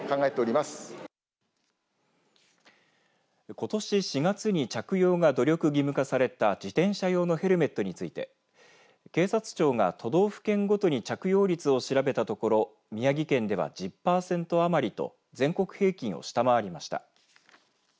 ことし４月に着用が努力義務化された自転車用のヘルメットについて警察庁が都道府県ごとに着用率を調べたところ宮城県では１０パーセント余りと全国平均を下回りました。